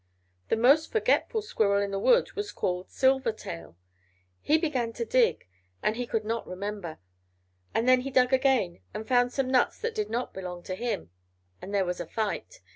The most forgetful squirrel in the wood was called Silvertail. He began to dig, and he could not remember. And then he dug again and found some nuts that did not belong to him; and there was a fight.